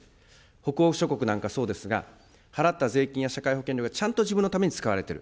北欧諸国なんかそうですが、払った税金や社会保険料がちゃんと自分のために使われている。